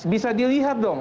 bisa dilihat dong